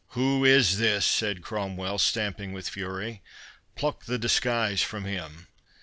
"Who is this?" said Cromwell, stamping with fury—"Pluck the disguise from him."